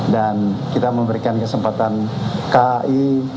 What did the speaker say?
dan kita memberikan kesempatan kai